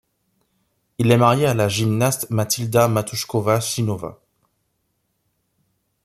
Il est marié à la gymnaste Matylda Matoušková-Šínová.